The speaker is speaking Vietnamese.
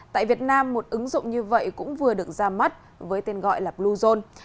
tại việt nam một ứng dụng như vậy cũng vừa được ra mắt với tên gọi là bluezone